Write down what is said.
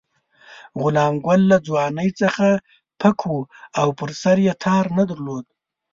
غلام ګل له ځوانۍ څخه پک وو او پر سر یې تار نه درلود.